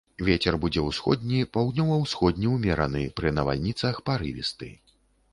Вецер будзе ўсходні, паўднёва-ўсходні ўмераны, пры навальніцах парывісты.